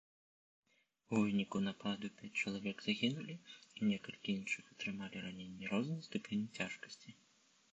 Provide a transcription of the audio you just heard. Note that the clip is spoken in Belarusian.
У выніку нападу пяць чалавек загінулі і некалькі іншых атрымалі раненні рознай ступені цяжкасці.